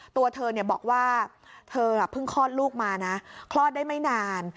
ตัวเธอบอกว่าเธอเพิ่งคลอดลูกมานะคลอดได้ไม่นาน